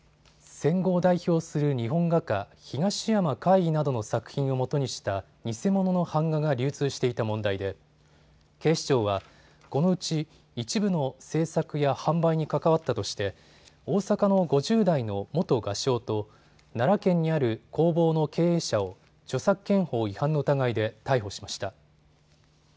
戦後を代表する日本画家、東山魁夷などの作品をもとにした偽物の版画が流通していた問題で警視庁はこのうち一部の制作や販売に関わったとして大阪の５０代の元画商と奈良県にある工房の経営者を著作権法違反の疑いで逮捕しました。